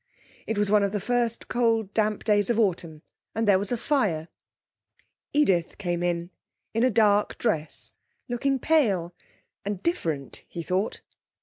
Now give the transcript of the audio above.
It was one of the first cold damp days of the autumn, and there was a fire. Edith came in, in a dark dress, looking pale, and different, he thought.